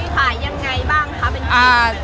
ขายยังไงบ้างคะเป็นทีมอะไร